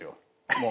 もう。